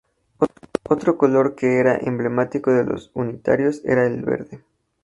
Otro color que era emblemático de los unitarios era el verde.